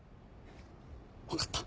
分かった。